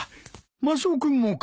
マスオ君もか？